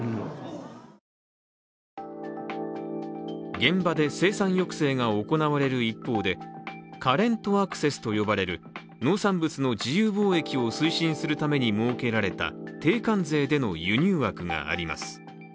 現場で生産抑制が行われる一方でカレント・アクセスと呼ばれる農産物の自由貿易を推進するために設けられた低関税での輸入枠があります。